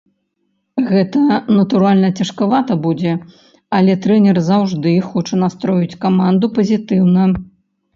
Гэта, натуральна, цяжкавата будзе, але трэнер заўжды хоча настроіць каманду пазітыўна.